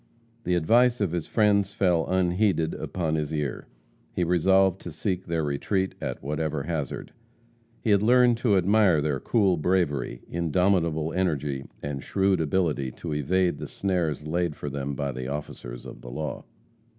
The advice of his friends fell unheeded upon his ear. He resolved to seek their retreat at whatever hazard. He had learned to admire their cool bravery, indomitable energy, and shrewd ability to evade the snares laid for them by the officers of the law.